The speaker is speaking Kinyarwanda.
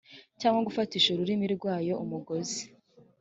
cyangwa gufatisha ururimi rwayo umugozi